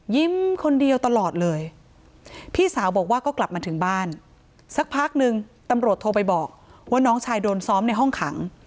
คนเดียวตลอดเลยพี่สาวบอกว่าก็กลับมาถึงบ้านสักพักนึงตำรวจโทรไปบอกว่าน้องชายโดนซ้อมในห้องขัง